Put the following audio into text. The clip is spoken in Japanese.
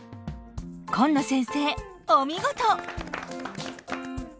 紺野先生お見事！